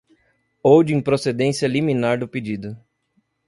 ou de improcedência liminar do pedido